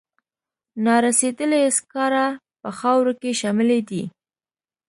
نارسیدلي سکاره په خاورو کې شاملې دي.